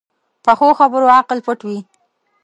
پخو خبرو عقل پټ وي